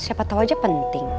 siapa tau aja penting